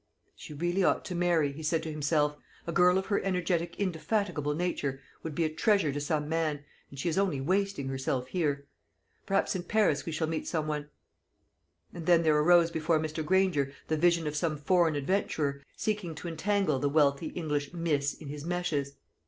"She really ought to marry," he said to himself. "A girl of her energetic indefatigable nature would be a treasure to some man, and she is only wasting herself here. Perhaps in Paris we shall meet some one;" and then there arose before Mr. Granger the vision of some foreign adventurer, seeking to entangle the wealthy English "meess" in his meshes.